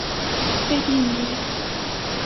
费蒂尼。